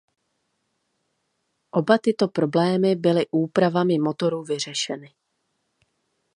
Oba tyto problémy byly úpravami motoru vyřešeny.